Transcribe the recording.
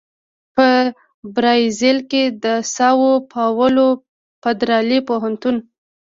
په برازیل کې د ساو پاولو فدرالي پوهنتون